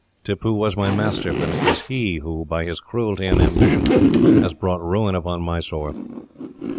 Tippoo was my master, but it is he who, by his cruelty and ambition, has brought ruin upon Mysore.